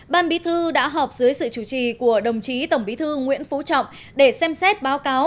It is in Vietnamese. ban bí thư đã họp dưới sự chủ trì của đồng chí tổng bí thư nguyễn phú trọng để xem xét báo cáo